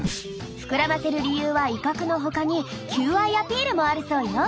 膨らませる理由は威嚇のほかに求愛アピールもあるそうよ。